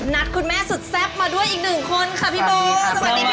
คุณแม่สุดแซ่บมาด้วยอีกหนึ่งคนค่ะพี่โบสวัสดีค่ะ